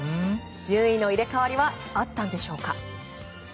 順位の入れ替わりはあったんでしょうか。